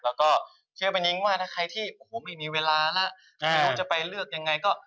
แล้วก็เชื่อเป็นนิ้งว่าถ้าใครที่โอ้โหไม่มีเวลาแล้วไม่รู้จะไปเลือกยังไงก็